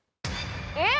えっ！？